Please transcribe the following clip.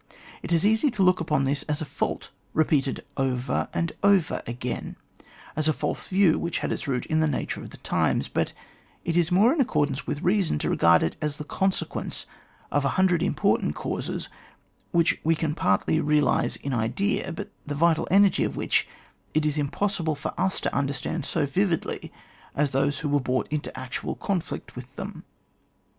It is easy to look upon this as a fault repeated over and over again — as a false view which had its root in the nature of the times, but it is more in accordance with reason to regard it as the consequence of a hundred important causes which we can partially realise in idea, but the vital energy of which it is impossible for us to understand so vividly as those who were brought into actual conflict with them.